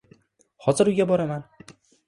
Hozir uyga boraman.